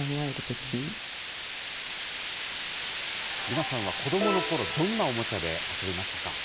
皆さんは子どものころ、どんなおもちゃで遊びましたか。